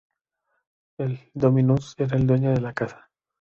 El "dominus" era el dueño de la casa.